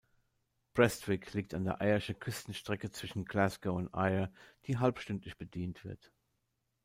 Prestwick liegt an der Ayrsche-Küsten-Strecke zwischen Glasgow und Ayr, die halbstündlich bedient wird.